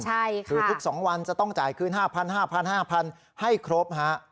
ใช่ค่ะคือทุก๒วันจะต้องจ่ายคืน๕๐๐๕๐๐๕๐๐ให้ครบฮะ